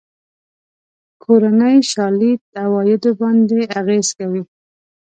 کورنۍ شالید عوایدو باندې اغېز لري.